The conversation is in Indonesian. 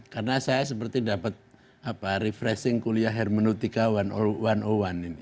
karena saya seperti dapat refreshing kuliah hermenutika satu ratus satu ini